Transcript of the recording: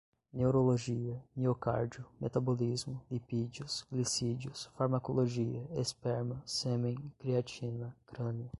neurologia, miocárdio, metabolismo, lipídios, glicídios, farmacologia, esperma, sêmen, creatina, crânio